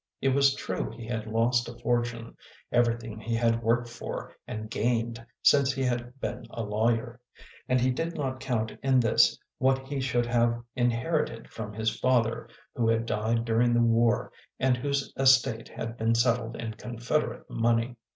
It was true he had lost a fortune; everything he had worked for and gained since he had been a lawyer and he did not count in this what he should have in herited from his father who had died during the war and whose estate had been settled in Confederate money.